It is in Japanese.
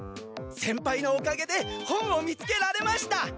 先輩のおかげで本を見つけられました。